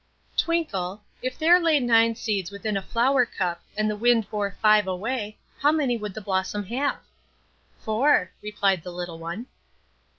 "Twinkle, if there lay nine seeds within a flower cup and the wind bore five away, how many would the blossom have?" "Four," replied the little one.